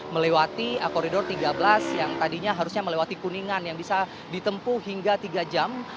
melewati koridor tiga belas yang tadinya harusnya melewati kuningan yang bisa ditempuh hingga tiga jam